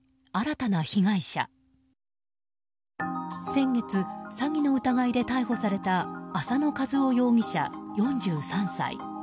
先月、詐欺の疑いで逮捕された浅野和男容疑者、４３歳。